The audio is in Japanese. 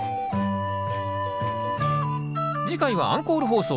次回はアンコール放送